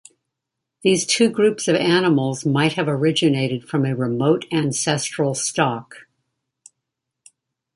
These two groups of animals might have originated from a remote ancestral stock.